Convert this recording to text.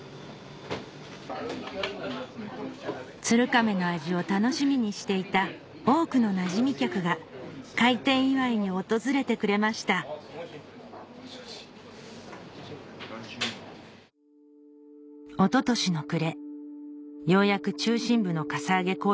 鶴亀の味を楽しみにしていた多くのなじみ客が開店祝いに訪れてくれました一昨年の暮れようやく中心部のかさ上げ